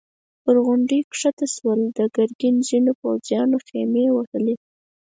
پر غونډۍ کښته شول، د ګرګين ځينو پوځيانو خيمې وهلې.